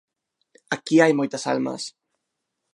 Aquí hai moitas almas.